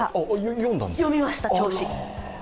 読みました、町史。